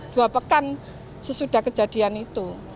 dua pekan sesudah kejadian itu